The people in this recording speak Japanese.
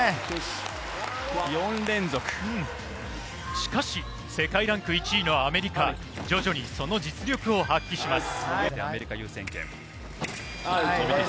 しかし世界ランク１位のアメリカ、徐々にその実力を発揮します。